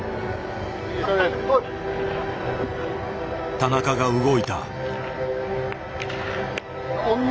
田中が動いた。